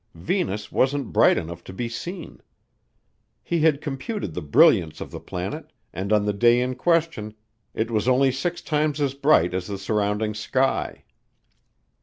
Venus wasn't bright enough to be seen. He had computed the brilliance of the planet, and on the day in question it was only six times as bright as the surrounding sky.